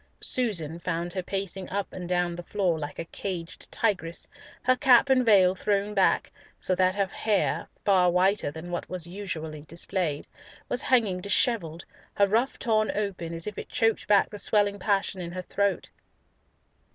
Susan found her pacing up and down the floor like a caged tigress, her cap and veil thrown back, so that her hair—far whiter than what was usually displayed—was hanging dishevelled, her ruff torn open, as if it choked back the swelling passion in her throat.